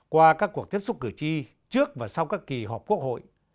qua các cuộc tiếp xúc cử tri trước và sau các kỳ họp quốc hội